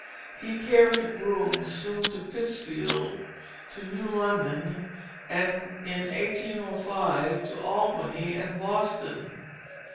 He carried brooms soon to Pittsfield, to New London, and in 1805 to Albany and Boston.